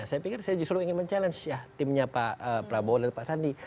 saya pikir saya justru ingin mencabar timnya pak prabowo dan pak sandi